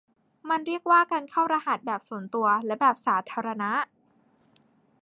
มันเรียกว่าการเข้ารหัสแบบส่วนตัวและแบบสาธารณะ